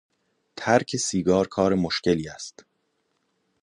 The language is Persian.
ترک سیگار کار مشکلی است.